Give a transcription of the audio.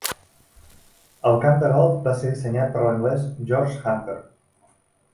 El camp de golf va ser dissenyat per l'anglès George Hunter.